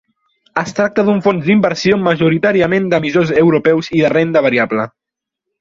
Es tracta d'un fons d'inversió majoritàriament d'emissors europeus i de renda variable.